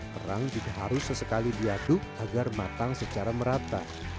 kerang juga harus sesekali diaduk agar matang secara merata